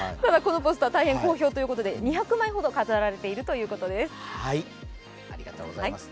このポスター、大変好評ということで、２００枚ほど飾られているということです。